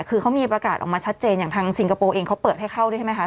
คือเขามีประกาศออกมาชัดเจนอย่างทางซิงคโปร์เองเขาเปิดให้เข้าด้วยใช่ไหมคะ